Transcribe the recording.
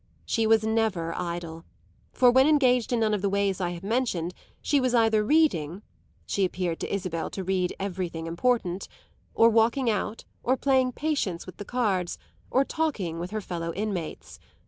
She was never idle, for when engaged in none of the ways I have mentioned she was either reading (she appeared to Isabel to read "everything important"), or walking out, or playing patience with the cards, or talking with her fellow inmates.